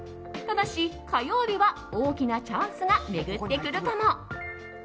ただし火曜日は大きなチャンスが巡ってくるかも。